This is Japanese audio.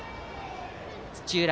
土浦